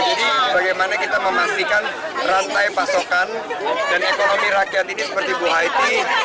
jadi bagaimana kita memastikan rantai pasokan dan ekonomi rakyat ini seperti buah it